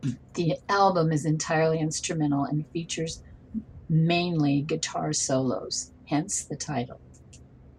The album is entirely instrumental and features mainly guitar solos, hence the title.